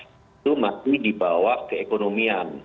itu masih di bawah keekonomian